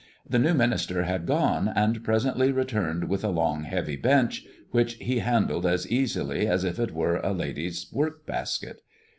The new minister had gone, and presently returned with a long heavy bench, which he handled as easily as if it were a lady's work basket.